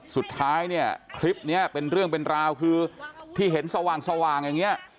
สุดท้ายเนี่ยคลิปนี้เป็นเรื่องเป็นราวคือที่เห็นสว่างอย่างนี้